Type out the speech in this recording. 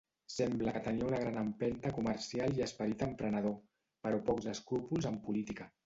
Sembla que tenia una gran empenta comercial i esperit emprenedor, però pocs escrúpols en política.